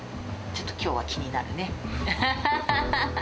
ちょっときょうは気になるね。